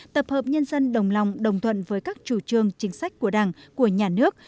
tập hợp nhân dân đồng lòng đồng thuận với các chủ trương chính sách của đảng của nhà nước